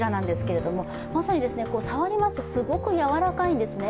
まさに触りますとすごくやわらかいんですね。